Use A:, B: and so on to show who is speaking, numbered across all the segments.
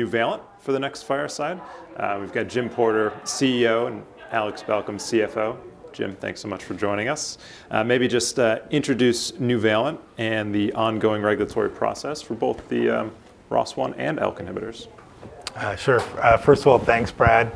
A: Nuvalent for the next fireside. We've got Jim Porter, CEO, and Alex Balcom, CFO. Jim, thanks so much for joining us. Maybe just introduce Nuvalent and the ongoing regulatory process for both the ROS1 and ALK inhibitors.
B: Sure. First of all, thanks, Brad.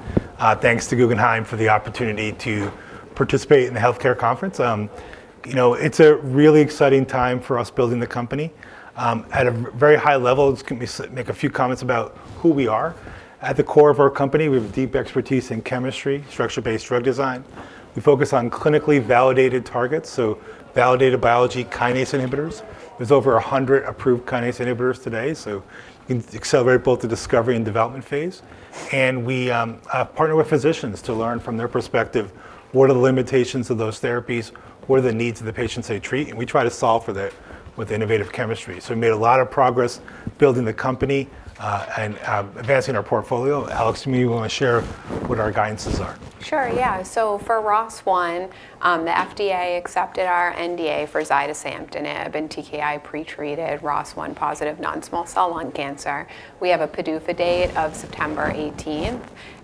B: Thanks to Guggenheim for the opportunity to participate in the healthcare conference. You know, it's a really exciting time for us building the company. At a very high level, let me make a few comments about who we are. At the core of our company, we have a deep expertise in chemistry, structure-based drug design. We focus on clinically validated targets, so validated biology kinase inhibitors. There's over 100 approved kinase inhibitors today, so you can accelerate both the discovery and development phase. And we partner with physicians to learn from their perspective, what are the limitations of those therapies? What are the needs of the patients they treat? And we try to solve for that with innovative chemistry. So we've made a lot of progress building the company, and advancing our portfolio. Alex, do you wanna share what our guidances are?
C: Sure, yeah. So for ROS1, the FDA accepted our NDA for zidesamtinib in TKI-pretreated ROS1-positive non-small cell lung cancer. We have a PDUFA date of September 18,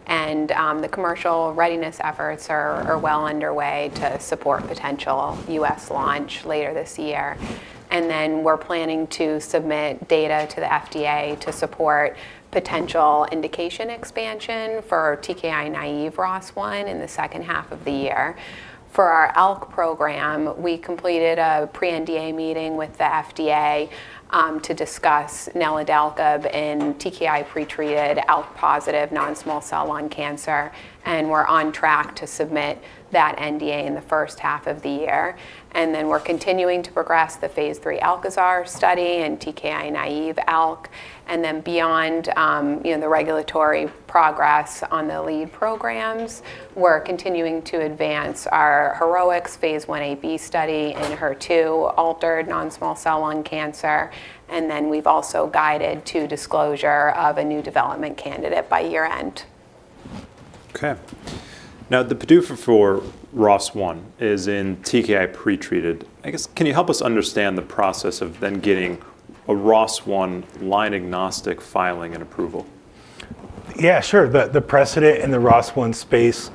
C: and the commercial readiness efforts are well underway to support potential US launch later this year. And then, we're planning to submit data to the FDA to support potential indication expansion for TKI-naive ROS1 in the second half of the year. For our ALK program, we completed a pre-NDA meeting with the FDA to discuss NVL-655 in TKI-pretreated ALK-positive non-small cell lung cancer, and we're on track to submit that NDA in the first half of the year. And then, we're continuing to progress the phase 3 ALCAZAR study in TKI-naive ALK, and then beyond, you know, the regulatory progress on the lead programs, we're continuing to advance our HER2 exon 20 phase 1b/2 study in HER2-altered non-small cell lung cancer. And then, we've also guided to disclosure of a new development candidate by year-end.
A: Okay. Now, the PDUFA for ROS1 is in TKI-pretreated. I guess, can you help us understand the process of then getting a ROS1 line-agnostic filing and approval?
B: Yeah, sure. The precedent in the ROS1 space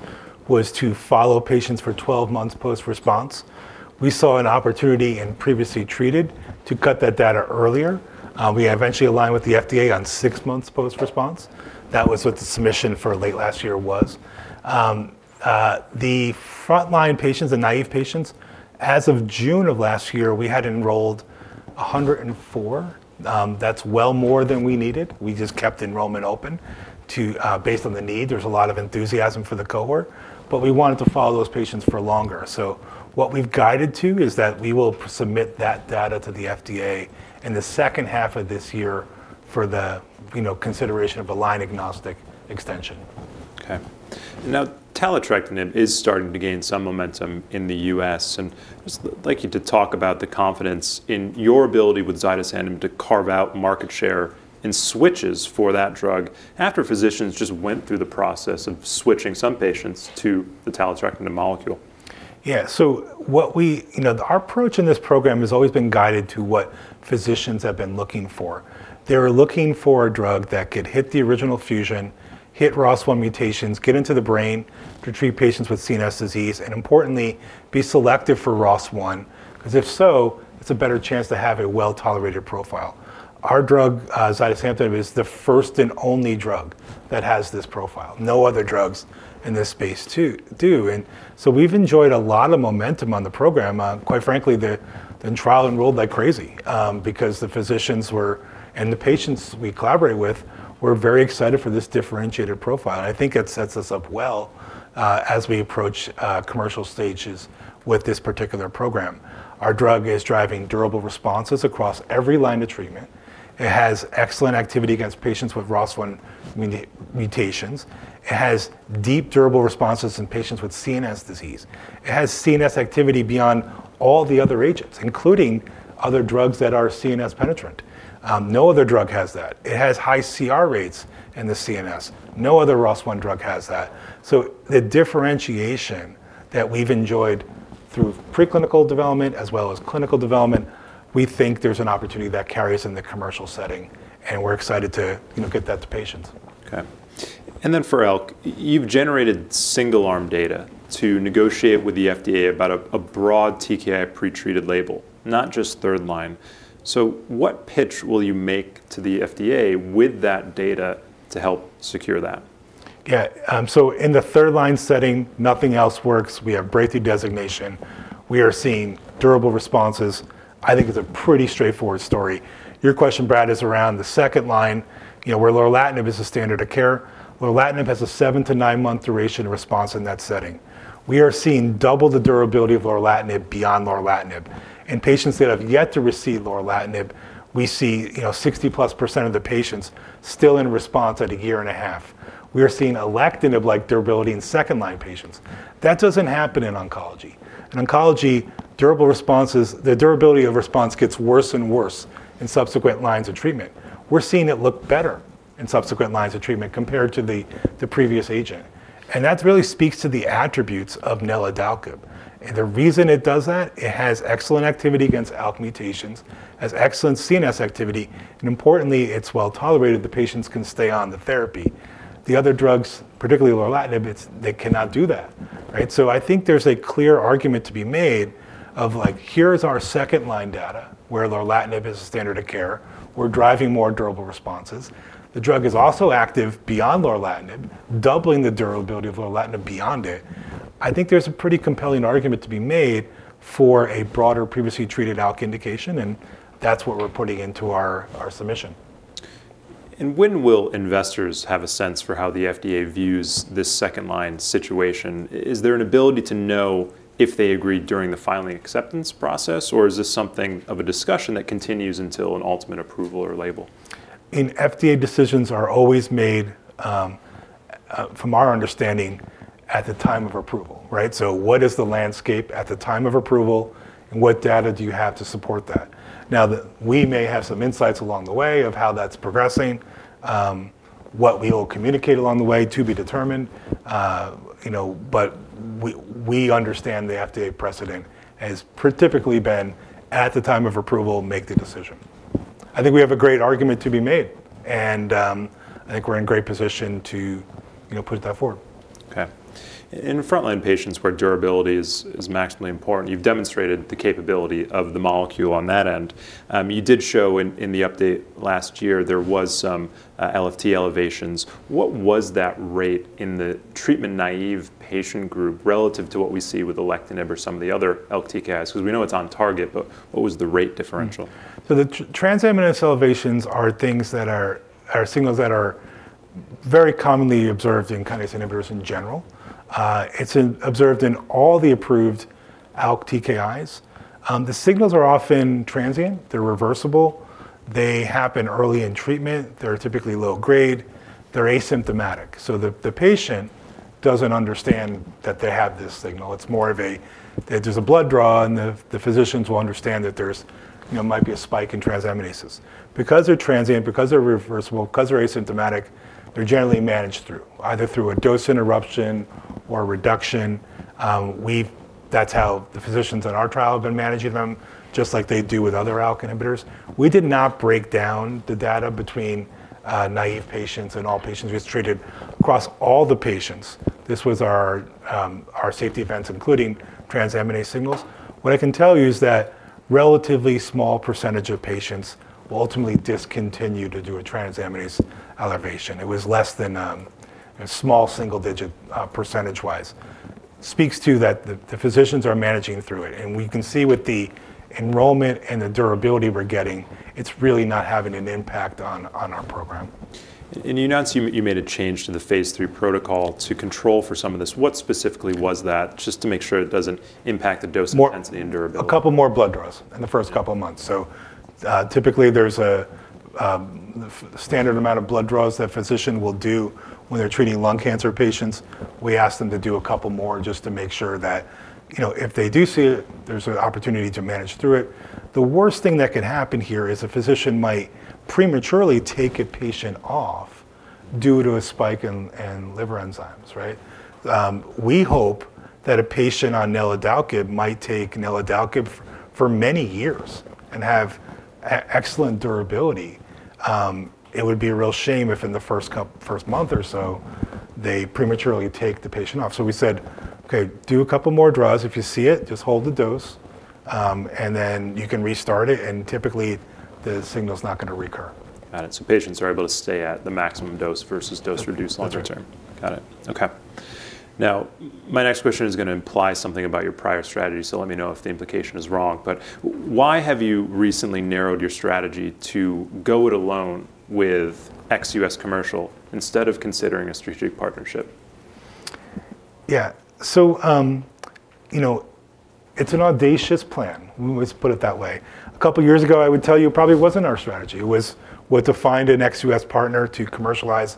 B: was to follow patients for 12 months post-response. We saw an opportunity in previously treated to cut that data earlier. We eventually aligned with the FDA on 6 months post-response. That was what the submission for late last year was. The frontline patients, the naive patients, as of June of last year, we had enrolled 104. That's well more than we needed. We just kept enrollment open to, based on the need. There's a lot of enthusiasm for the cohort, but we wanted to follow those patients for longer. So what we've guided to is that we will submit that data to the FDA in the second half of this year for the, you know, consideration of a line-agnostic extension.
A: Okay. Now, taletrectinib is starting to gain some momentum in the U.S., and I'd just like you to talk about the confidence in your ability with zidesamtinib to carve out market share and switches for that drug after physicians just went through the process of switching some patients to the taletrectinib molecule.
B: Yeah. So what we— you know, our approach in this program has always been guided to what physicians have been looking for. They're looking for a drug that could hit the original fusion, hit ROS1 mutations, get into the brain to treat patients with CNS disease, and importantly, be selective for ROS1, 'cause if so, it's a better chance to have a well-tolerated profile. Our drug, zidesamtinib, is the first and only drug that has this profile. No other drugs in this space do. And so we've enjoyed a lot of momentum on the program. Quite frankly, the trial enrolled like crazy, because the physicians were, and the patients we collaborated with, were very excited for this differentiated profile. I think it sets us up well, as we approach commercial stages with this particular program. Our drug is driving durable responses across every line of treatment. It has excellent activity against patients with ROS1 mutations. It has deep, durable responses in patients with CNS disease. It has CNS activity beyond all the other agents, including other drugs that are CNS penetrant. No other drug has that. It has high CR rates in the CNS. No other ROS1 drug has that. So the differentiation that we've enjoyed through preclinical development as well as clinical development, we think there's an opportunity that carries in the commercial setting, and we're excited to, you know, get that to patients.
A: Okay. And then for ALK, you've generated single-arm data to negotiate with the FDA about a broad TKI-pretreated label, not just third line. So what pitch will you make to the FDA with that data to help secure that?
B: Yeah, so in the third-line setting, nothing else works. We have breakthrough designation. We are seeing durable responses. I think it's a pretty straightforward story. Your question, Brad, is around the second line, you know, where lorlatinib is the standard of care. Lorlatinib has a 7-9-month duration response in that setting. We are seeing double the durability of lorlatinib beyond lorlatinib. In patients that have yet to receive lorlatinib, we see, you know, 60+% of the patients still in response at 1.5 years. We are seeing alectinib-like durability in second-line patients. That doesn't happen in oncology. In oncology, durable responses, the durability of response gets worse and worse in subsequent lines of treatment. We're seeing it look better in subsequent lines of treatment compared to the previous agent, and that really speaks to the attributes of NVL-655. The reason it does that, it has excellent activity against ALK mutations... has excellent CNS activity, and importantly, it's well-tolerated. The patients can stay on the therapy. The other drugs, particularly lorlatinib, they cannot do that, right? So I think there's a clear argument to be made of like, here's our second-line data, where lorlatinib is the standard of care. We're driving more durable responses. The drug is also active beyond lorlatinib, doubling the durability of lorlatinib beyond it. I think there's a pretty compelling argument to be made for a broader previously treated ALK indication, and that's what we're putting into our, our submission.
A: When will investors have a sense for how the FDA views this second-line situation? Is there an ability to know if they agree during the filing acceptance process, or is this something of a discussion that continues until an ultimate approval or label?
B: In FDA, decisions are always made, from our understanding, at the time of approval, right? So what is the landscape at the time of approval, and what data do you have to support that? Now, we may have some insights along the way of how that's progressing, what we will communicate along the way, to be determined, you know, but we, we understand the FDA precedent has typically been at the time of approval, make the decision. I think we have a great argument to be made, and, I think we're in great position to, you know, put that forward.
A: Okay. In frontline patients, where durability is maximally important, you've demonstrated the capability of the molecule on that end. You did show in the update last year, there was some LFT elevations. What was that rate in the treatment-naive patient group relative to what we see with alectinib or some of the other ALK TKIs? 'Cause we know it's on target, but what was the rate differential?
B: Mm-hmm. So the transaminase elevations are things that are signals that are very commonly observed in kinase inhibitors in general. It's observed in all the approved ALK TKIs. The signals are often transient, they're reversible, they happen early in treatment, they're typically low grade, they're asymptomatic, so the patient doesn't understand that they have this signal. It's more of a that there's a blood draw, and the physicians will understand that there's, you know, might be a spike in transaminases. Because they're transient, because they're reversible, because they're asymptomatic, they're generally managed through either a dose interruption or a reduction. That's how the physicians on our trial have been managing them, just like they do with other ALK inhibitors. We did not break down the data between naive patients and all patients. We just treated across all the patients. This was our, our safety events, including transaminase signals. What I can tell you is that relatively small percentage of patients will ultimately discontinue due to a transaminase elevation. It was less than, a small single-digit, percentage-wise. Speaks to that the, the physicians are managing through it, and we can see with the enrollment and the durability we're getting, it's really not having an impact on, on our program.
A: In the announcement, you made a change to the Phase 3 protocol to control for some of this. What specifically was that? Just to make sure it doesn't impact the dose intensity and durability.
B: A couple more blood draws in the first couple of months. So, typically, there's the standard amount of blood draws that a physician will do when they're treating lung cancer patients. We ask them to do a couple more just to make sure that, you know, if they do see it, there's an opportunity to manage through it. The worst thing that could happen here is a physician might prematurely take a patient off due to a spike in liver enzymes, right? We hope that a patient on NVL-655 might take NVL-655 for many years and have excellent durability. It would be a real shame if in the first month or so, they prematurely take the patient off. So we said, "Okay, do a couple more draws. If you see it, just hold the dose, and then you can restart it, and typically, the signal is not gonna recur.
A: Got it. So patients are able to stay at the maximum dose versus dose reduced longer term.
B: That's right.
A: Got it. Okay. Now, my next question is gonna imply something about your prior strategy, so let me know if the implication is wrong, but why have you recently narrowed your strategy to go it alone with ex-US commercial instead of considering a strategic partnership?
B: Yeah. So, you know, it's an audacious plan, let's put it that way. A couple years ago, I would tell you it probably wasn't our strategy. It was to find an ex-U.S. partner to commercialize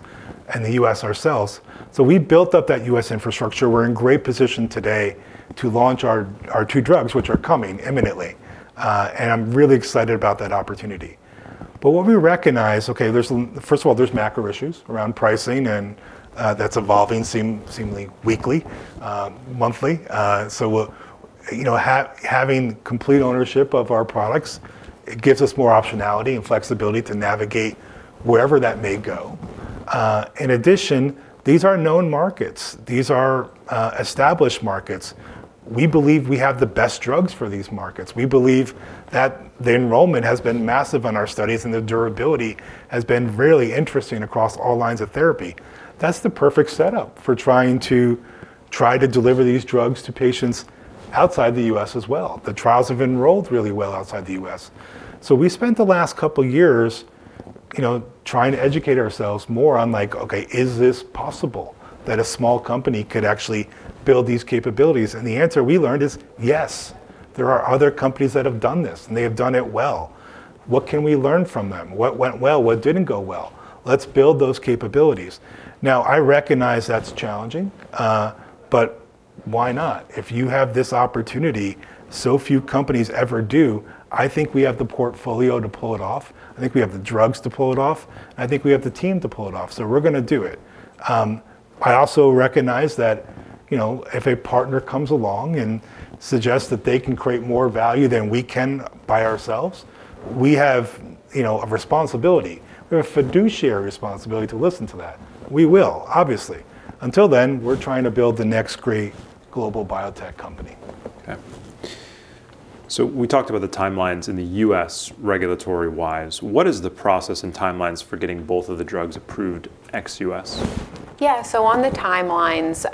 B: in the U.S. ourselves. So we built up that U.S. infrastructure. We're in great position today to launch our two drugs, which are coming imminently, and I'm really excited about that opportunity. But what we recognize, first of all, there's macro issues around pricing, and that's evolving seemingly weekly, monthly. So, you know, having complete ownership of our products, it gives us more optionality and flexibility to navigate wherever that may go. In addition, these are known markets. These are established markets. We believe we have the best drugs for these markets. We believe that the enrollment has been massive in our studies, and the durability has been really interesting across all lines of therapy. That's the perfect setup for trying to try to deliver these drugs to patients outside the U.S. as well. The trials have enrolled really well outside the U.S. So we spent the last couple of years, you know, trying to educate ourselves more on, like, okay, is this possible that a small company could actually build these capabilities? And the answer we learned is, yes, there are other companies that have done this, and they have done it well. What can we learn from them? What went well? What didn't go well? Let's build those capabilities. Now, I recognize that's challenging, but why not? If you have this opportunity, so few companies ever do. I think we have the portfolio to pull it off. I think we have the drugs to pull it off, and I think we have the team to pull it off, so we're gonna do it. I also recognize that, you know, if a partner comes along and suggests that they can create more value than we can by ourselves, we have, you know, a responsibility. We have a fiduciary responsibility to listen to that. We will, obviously. Until then, we're trying to build the next great global biotech company.
A: Okay. So we talked about the timelines in the U.S. regulatory-wise. What is the process and timelines for getting both of the drugs approved ex-U.S.?
C: Yeah, so on the timelines,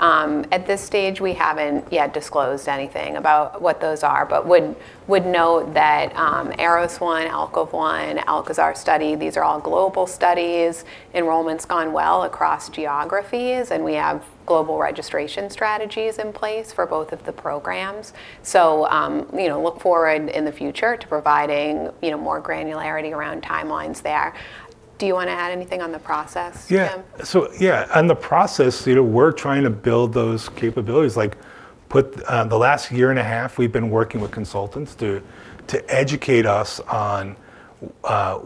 C: at this stage, we haven't yet disclosed anything about what those are, but would, would note that, ARROS-1, ALKOVE-1, ALCAZAR study, these are all global studies. Enrollment's gone well across geographies, and we have global registration strategies in place for both of the programs. So, you know, look forward in the future to providing, you know, more granularity around timelines there. Do you wanna add anything on the process, Jim?
B: Yeah. So yeah, on the process, you know, we're trying to build those capabilities. Like, the last year and a half, we've been working with consultants to educate us on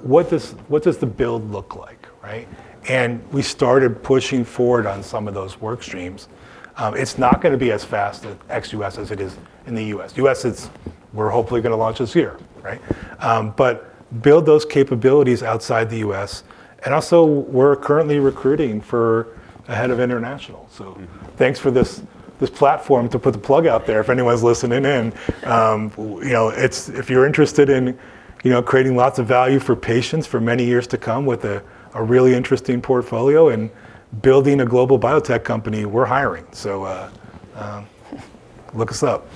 B: what does the build look like, right? And we started pushing forward on some of those work streams. It's not gonna be as fast ex-US as it is in the US. US, it's we're hopefully gonna launch this year, right? But build those capabilities outside the US, and also, we're currently recruiting for a head of international So thanks for this, this platform to put the plug out there if anyone's listening in. You know, it's if you're interested in, you know, creating lots of value for patients for many years to come with a, a really interesting portfolio and building a global biotech company, we're hiring, so, look us up.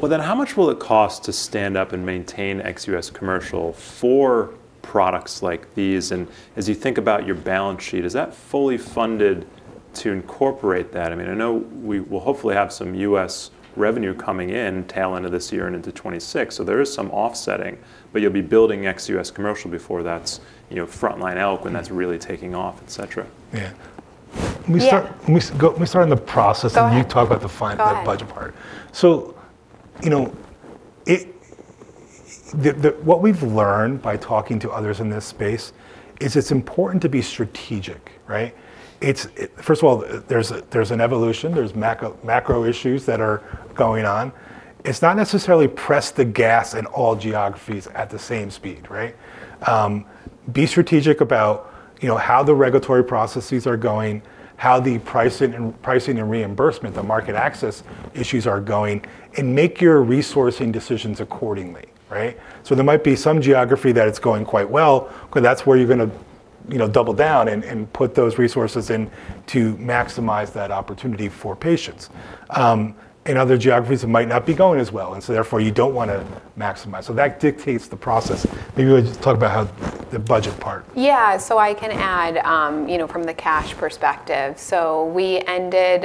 A: Well then, how much will it cost to stand up and maintain ex-US commercial for products like these? And as you think about your balance sheet, is that fully funded to incorporate that? I mean, I know we will hopefully have some US revenue coming in tail end of this year and into 2026, so there is some offsetting, but you'll be building ex-US commercial before that's, you know, frontline ALK-... and that's really taking off, et cetera.
B: Yeah.
C: Yeah-
B: Can we start on the process?
C: Go ahead...
B: and you talk about the financial, the budget part. What we've learned by talking to others in this space is it's important to be strategic, right? It's... First of all, there's an evolution, there's macro issues that are going on. It's not necessarily press the gas in all geographies at the same speed, right? Be strategic about, you know, how the regulatory processes are going, how the pricing and reimbursement, the market access issues are going, and make your resourcing decisions accordingly, right? So there might be some geography that it's going quite well, okay, that's where you're gonna, you know, double down and put those resources in to maximize that opportunity for patients. In other geographies, it might not be going as well, and so therefore, you don't wanna maximize. So that dictates the process. Maybe you would just talk about how the budget part.
C: Yeah. So I can add, you know, from the cash perspective. So we ended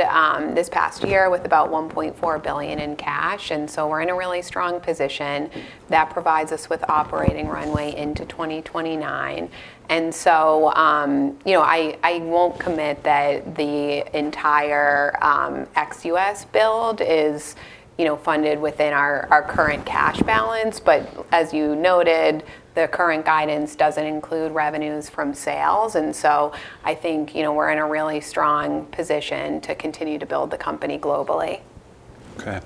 C: this past year with about $1.4 billion in cash, and so we're in a really strong position that provides us with operating runway into 2029. And so, you know, I, I won't commit that the entire ex-US build is, you know, funded within our, our current cash balance. But as you noted, the current guidance doesn't include revenues from sales, and so I think, you know, we're in a really strong position to continue to build the company globally.
A: Okay.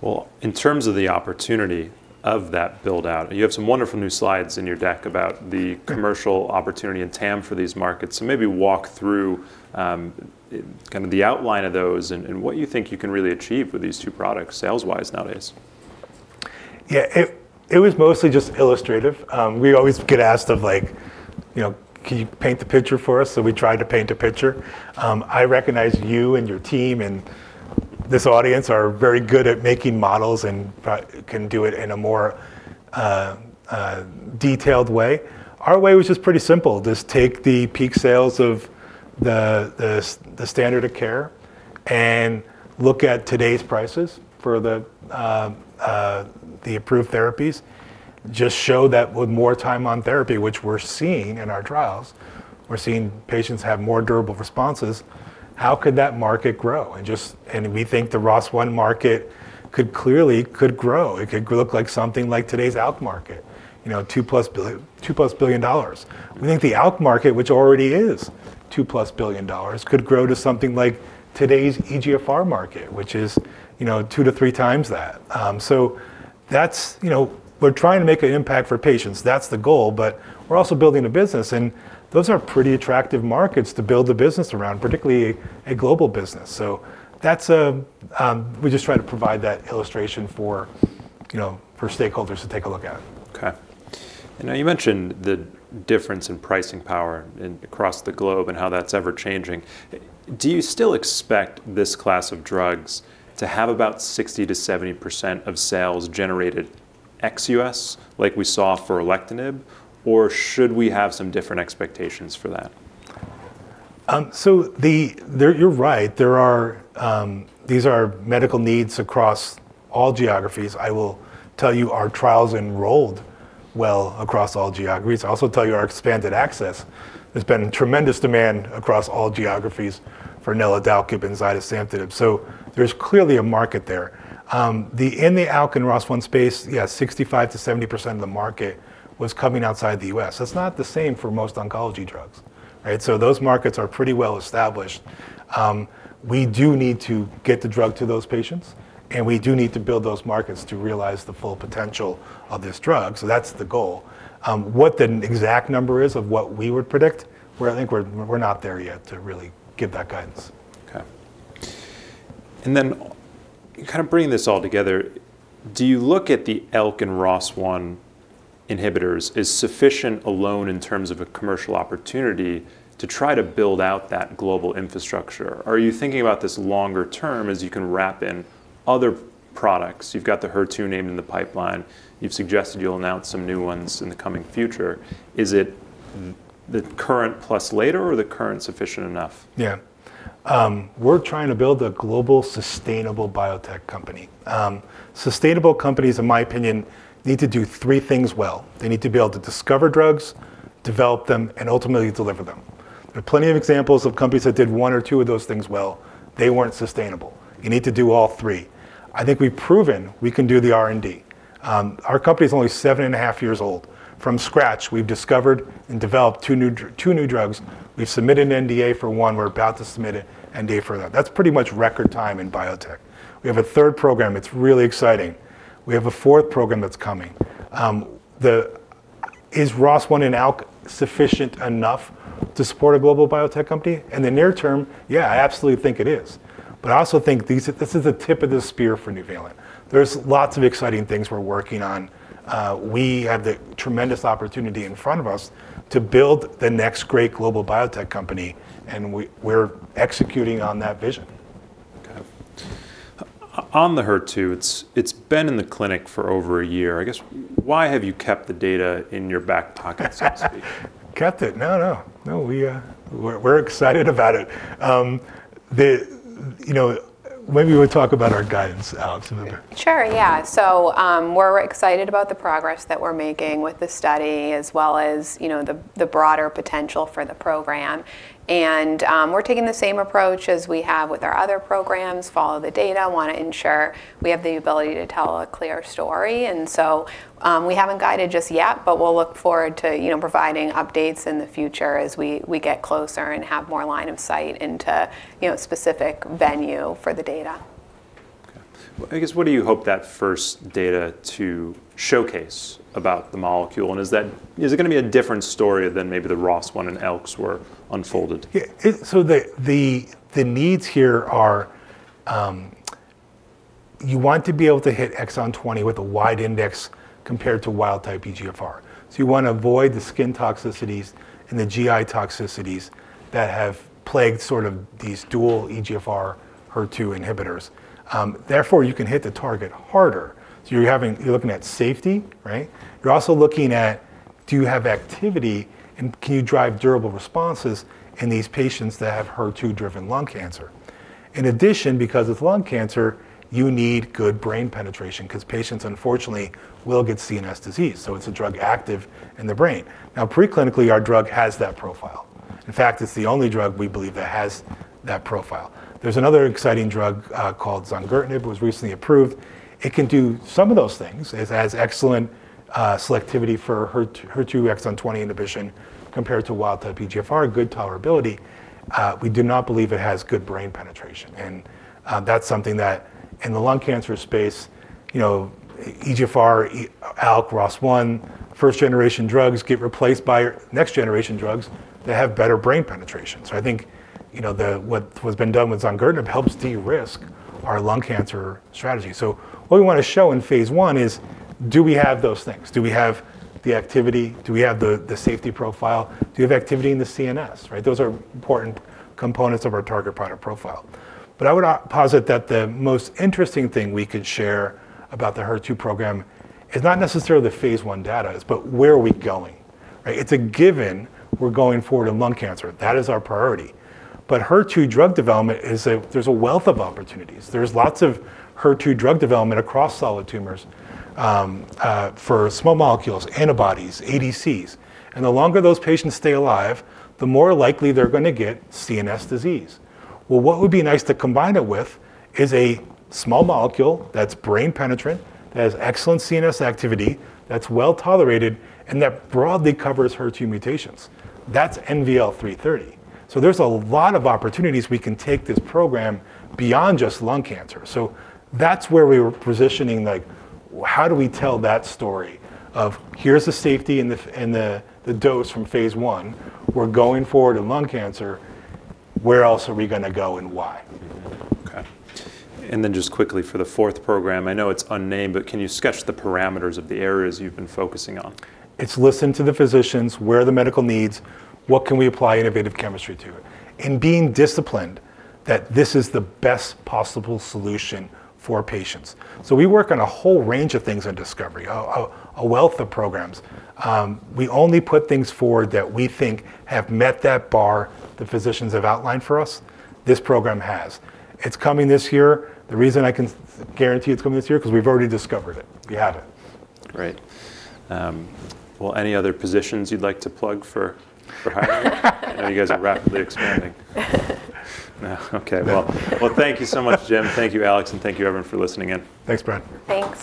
A: Well, in terms of the opportunity of that build-out, you have some wonderful new slides in your deck about the-... commercial opportunity and TAM for these markets. So maybe walk through, kind of the outline of those and, and what you think you can really achieve with these two products sales-wise nowadays?
B: Yeah, it, it was mostly just illustrative. We always get asked of, like, you know, "Can you paint the picture for us?" So we tried to paint a picture. I recognize you and your team and this audience are very good at making models and can do it in a more, detailed way. Our way was just pretty simple. Just take the peak sales of the, the, the standard of care and look at today's prices for the, the approved therapies. Just show that with more time on therapy, which we're seeing in our trials, we're seeing patients have more durable responses, how could that market grow? And just- and we think the ROS1 market could clearly could grow. It could look like something like today's ALK market. You know, $2+ billion. We think the ALK market, which already is $2+ billion, could grow to something like today's EGFR market, which is, you know, 2-3 times that. So that's... You know, we're trying to make an impact for patients. That's the goal, but we're also building a business, and those are pretty attractive markets to build a business around, particularly a global business. So that's... We just tried to provide that illustration for, you know, for stakeholders to take a look at.
A: Okay. And now, you mentioned the difference in pricing power across the globe and how that's ever-changing. Do you still expect this class of drugs to have about 60%-70% of sales generated ex-US, like we saw for alectinib, or should we have some different expectations for that?
B: You're right, there are, these are medical needs across all geographies. I will tell you, our trials enrolled well across all geographies. I also tell you our expanded access, there's been tremendous demand across all geographies for NVL-655 and zidesamtinib. So there's clearly a market there. In the ALK and ROS1 space, yeah, 65%-70% of the market was coming outside the U.S. That's not the same for most oncology drugs, right? So those markets are pretty well established. We do need to get the drug to those patients, and we do need to build those markets to realize the full potential of this drug, so that's the goal. What the exact number is of what we would predict, we're—I think we're not there yet to really give that guidance.
A: Okay. Then, kind of bringing this all together, do you look at the ALK and ROS1 inhibitors as sufficient alone in terms of a commercial opportunity to try to build out that global infrastructure? Or are you thinking about this longer term, as you can wrap in other products? You've got the HER2 name in the pipeline. You've suggested you'll announce some new ones in the coming future. Is it the current plus later, or the current sufficient enough?
B: Yeah. We're trying to build a global, sustainable biotech company. Sustainable companies, in my opinion, need to do three things well: they need to be able to discover drugs, develop them, and ultimately deliver them. There are plenty of examples of companies that did one or two of those things well. They weren't sustainable. You need to do all three. I think we've proven we can do the R and D. Our company's only seven and a half years old. From scratch, we've discovered and developed two new drugs, we've submitted an NDA for one, we're about to submit an NDA for them. That's pretty much record time in biotech. We have a third program, it's really exciting. We have a fourth program that's coming. Is ROS1 and ALK sufficient enough to support a global biotech company? In the near term, yeah, I absolutely think it is. But I also think these, this is the tip of the spear for Nuvalent. There's lots of exciting things we're working on. We have the tremendous opportunity in front of us to build the next great global biotech company, and we, we're executing on that vision.
A: Okay. On the HER2, it's been in the clinic for over a year. I guess, why have you kept the data in your back pocket, so to speak?
B: Kept it? No, no. No, we, we're excited about it. You know... Maybe we'll talk about our guidance, Alex, a little bit.
C: Sure, yeah. So, we're excited about the progress that we're making with the study, as well as, you know, the broader potential for the program. We're taking the same approach as we have with our other programs, follow the data, wanna ensure we have the ability to tell a clear story. So, we haven't guided just yet, but we'll look forward to, you know, providing updates in the future as we get closer and have more line of sight into, you know, specific venue for the data.
A: Okay. I guess, what do you hope that first data to showcase about the molecule, and is that- is it gonna be a different story than maybe the ROS1 and ALKs were unfolded?
B: Yeah, so the needs here are, you want to be able to hit exon 20 with a wide index compared to wild-type EGFR. So you want to avoid the skin toxicities and the GI toxicities that have plagued sort of these dual EGFR HER2 inhibitors. Therefore, you can hit the target harder. So you're looking at safety, right? You're also looking at, do you have activity, and can you drive durable responses in these patients that have HER2-driven lung cancer? In addition, because it's lung cancer, you need good brain penetration, 'cause patients unfortunately will get CNS disease, so it's a drug active in the brain. Now, preclinically, our drug has that profile. In fact, it's the only drug, we believe, that has that profile. There's another exciting drug called zidesamtinib, it was recently approved. It can do some of those things, it has excellent selectivity for HER2, HER2 exon 20 inhibition compared to wild-type EGFR, good tolerability. We do not believe it has good brain penetration, and that's something that, in the lung cancer space, you know, EGFR, ALK, ROS1, first-generation drugs get replaced by next-generation drugs that have better brain penetration. So I think, you know, the, what, what's been done with zidesamtinib helps de-risk our lung cancer strategy. So what we want to show in phase one is: Do we have those things? Do we have the activity? Do we have the, the safety profile? Do we have activity in the CNS, right? Those are important components of our target product profile. But I would not posit that the most interesting thing we could share about the HER2 program is not necessarily the phase 1 data, but where are we going, right? It's a given we're going forward in lung cancer. That is our priority. But HER2 drug development, there's a wealth of opportunities. There's lots of HER2 drug development across solid tumors, for small molecules, antibodies, ADCs. And the longer those patients stay alive, the more likely they're gonna get CNS disease. Well, what would be nice to combine it with is a small molecule that's brain penetrant, that has excellent CNS activity, that's well-tolerated, and that broadly covers HER2 mutations. That's NVL-330. So there's a lot of opportunities we can take this program beyond just lung cancer. So that's where we're positioning, like, how do we tell that story of, "Here's the safety and the dose from phase one. We're going forward in lung cancer. Where else are we gonna go, and why?
A: Mm-hmm. Okay. And then, just quickly for the fourth program, I know it's unnamed, but can you sketch the parameters of the areas you've been focusing on?
B: It's listen to the physicians, where are the medical needs, what can we apply innovative chemistry to, and being disciplined that this is the best possible solution for patients. So we work on a whole range of things in discovery, a wealth of programs. We only put things forward that we think have met that bar the physicians have outlined for us. This program has. It's coming this year. The reason I can guarantee it's coming this year, 'cause we've already discovered it. We have it.
A: Great. Well, any other positions you'd like to plug for hiring? I know you guys are rapidly expanding. No. Okay, well, thank you so much, Jim. Thank you, Alex, and thank you, everyone, for listening in.
B: Thanks, Brad.
C: Thanks.